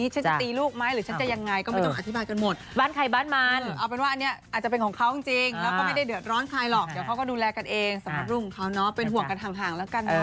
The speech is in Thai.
จูจิกวนใจเยอะไปนิดนึง